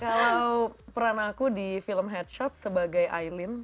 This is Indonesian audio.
kalau peran aku di film headshot sebagai aileen